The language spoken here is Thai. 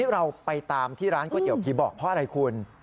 เราไปตามที่ร้านก๋วยเตี๋ผีบอกเพราะอะไรคุณ